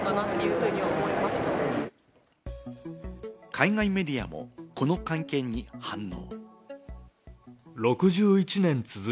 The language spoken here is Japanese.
海外メディアも、この会見に反応。